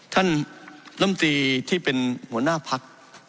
ท่านลำตีที่เป็นหัวหน้าพัก